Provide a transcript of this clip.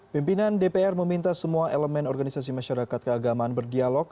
pimpinan dpr meminta semua elemen organisasi masyarakat keagamaan berdialog